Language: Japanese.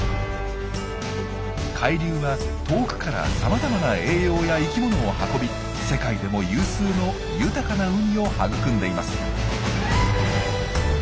海流は遠くからさまざまな栄養や生きものを運び世界でも有数の豊かな海を育んでいます。